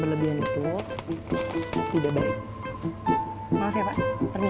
berlebihan itu tidak baik maaf ya pak